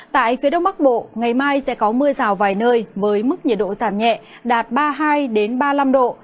tại phía đông bắc bộ ngày mai sẽ có mưa rào vài nơi với mức nhiệt độ giảm nhẹ đạt ba mươi hai ba mươi năm độ